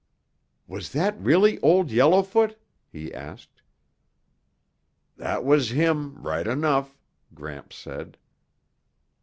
"Was that really Old Yellowfoot?" he asked. "That was him right enough!" Gramps said.